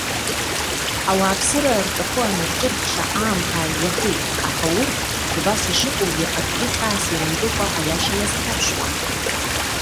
Ауааԥсыра рҿахәы анырҿырхша аамҭа ааигәахеит, аха урҭ, убас ишыҟоугьы акгьы хьаас ирымкыкәа аиаша иазхьаԥшуам.